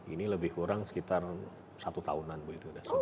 ini lebih kurang sekitar satu tahunan bu itu